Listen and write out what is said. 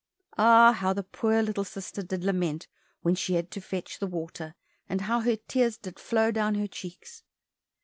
Ah, how the poor little sister did lament when she had to fetch the water, and how her tears did flow down over her cheeks!